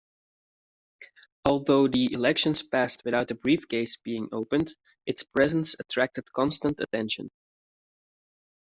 Although the elections passed without the briefcase being opened, its presence attracted constant attention.